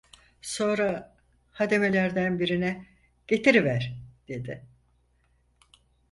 Sonra hademelerden birine: "Getiriver!" dedi.